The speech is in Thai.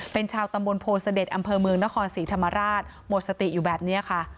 เป็นชาวตำบลโพเสด็จอำเภอเมืองนครศรีธรรมราชหมดสติอยู่แบบนี้ค่ะ